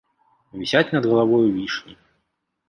Вісяць над галавою вішні.